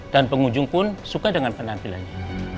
dan pengunjung pun suka dengan penampilannya